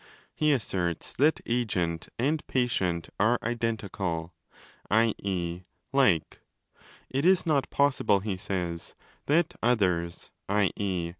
He asserts that agent and patient are identical, i.e. 'like'. It is not possible (he says) that 'others', i.e.